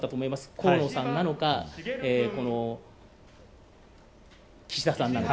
河野さんなのか、岸田さんなのか。